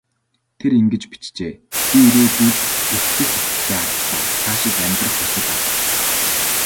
Тэр ингэж бичжээ: "Би ирээдүйд итгэх итгэлээ алдлаа. Цаашид амьдрах хүсэл алга".